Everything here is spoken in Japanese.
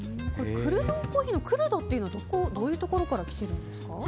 クルドコーヒーのクルドというのはどういうところから来てるんですか？